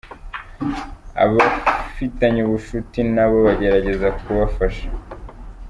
Abafitanye ubushuti na bo bagerageza kubafasha.